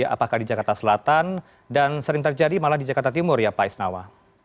apakah di jakarta selatan dan sering terjadi malah di jakarta timur ya pak isnawa